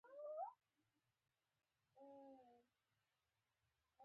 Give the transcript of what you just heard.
د مازدیګر او د ماښام په څیرې